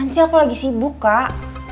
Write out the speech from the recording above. sih aku lagi sibuk kak